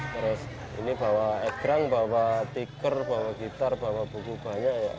terus ini bawa ekrang bawa tikar bawa gitar bawa buku banyak